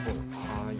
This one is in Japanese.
はい。